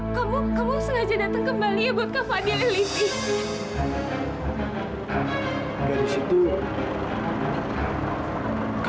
atau kamu sengaja datang kembali ya buat kak fadil dan livia